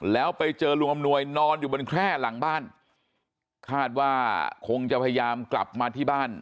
แล้วไปเจอลุงอำนวยนอนอยู่บนแคร่หลังบ้านคาดว่าคงจะพยายามกลับมาที่บ้าน